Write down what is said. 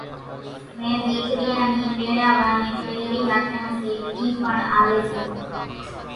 زين ۮيڪريان نِي پيڻيا وانھين پھرين ۿاچم سي اِي پڻ آوي سي